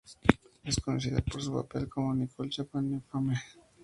Es conocida por su papel como Nicole Chapman en "Fame".